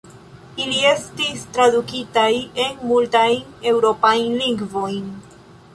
Ili estis tradukitaj en multajn eŭropajn lingvojn.